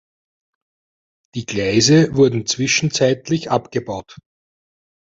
Die Gleise wurden zwischenzeitlich abgebaut.